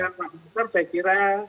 apa yang disampaikan pak mokhtar saya kira